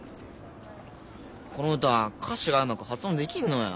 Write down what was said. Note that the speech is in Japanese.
この歌歌詞がうまく発音できんのや。